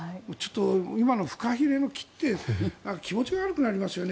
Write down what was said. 今のフカヒレの切って気持ち悪くなりますよね。